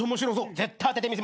絶対当ててみせますよ。